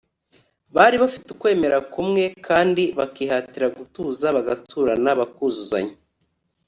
bari bafite ukwemera kumwe kandi bakihatira gutuza bagaturana, bakuzuzanya